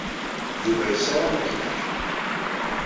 Yuba yessaram ad k-yeɛjeb.